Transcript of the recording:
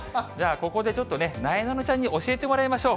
ここでちょっとね、なえなのちゃんに教えてもらいましょう。